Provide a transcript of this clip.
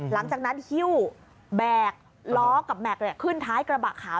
หลังจากนั้นฮิ้วแบกล้อกับแม็กซ์ขึ้นท้ายกระบะขาว